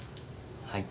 はい。